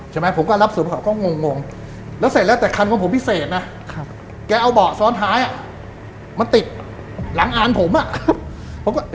ใช่ไหมผมก็รับสือผู้เคาก็งง